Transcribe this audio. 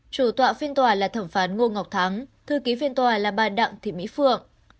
chủ tọa phiên tòa là thẩm phán ngô ngọc thắng thư ký phiên tòa là bà đặng thị mỹ phượng